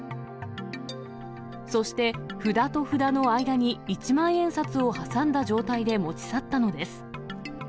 そして、札と札の間に一万円札を挟んだ状態で持ち去ったのです。